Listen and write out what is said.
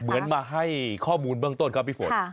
เหมือนมาให้ข้อมูลเบื้องต้นครับพี่ฝน